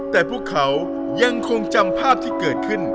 แต่พวกเขายังคงจำภาพที่เกิดขึ้น